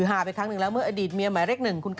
ใช่อันนี้เป็นพี่ก่อน